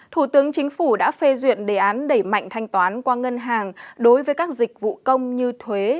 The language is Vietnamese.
thủ tướng chính phủ đã phê duyệt đề án đẩy mạnh thanh toán qua ngân hàng đối với các dịch vụ công như thuế